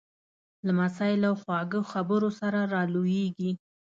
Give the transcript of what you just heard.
لمسی له خواږه خبرو سره را لویېږي.